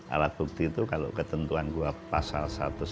alat bukti itu kalau ketentuan gua pasal satu ratus sembilan puluh